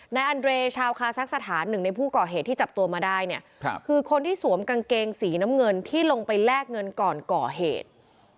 นายอันเรย์ชาวคาซักสถานหนึ่งในผู้ก่อเหตุที่จับตัวมาได้เนี่ยคือคนที่สวมกางเกงสีน้ำเงินที่ลงไปแลกเงินก่อนก่อเหตุ